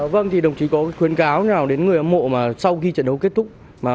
vâng thì đồng chí có khuyến cáo nào đến người hâm mộ mà sau khi trận đấu kết thúc